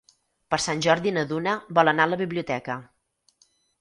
Per Sant Jordi na Duna vol anar a la biblioteca.